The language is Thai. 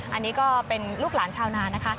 อันนี้ก็เป็นลูกหลานชาวนานะคะ